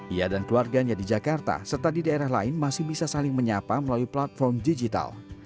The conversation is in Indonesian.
ia dan keluarganya di jakarta serta di daerah lain masih bisa saling menyapa melalui platform digital